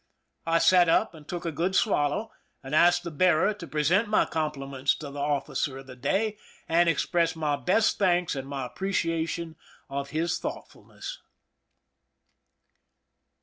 I sat up and took a good swallow, and asked the bearer to present my compliments to the officer of the day and express my best thanks and my appreciation of his thoughtfulness.